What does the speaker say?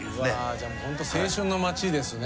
じゃあホント青春の街ですね